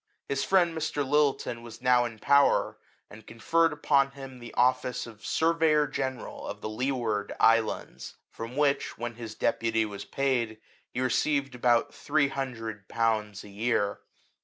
His friend Mr. Lyttelton was now in power, and conferred upon him the office of surveyor general of the Leeward Islands; from which, when his deputy was paid, he received about three hundred pounds a year.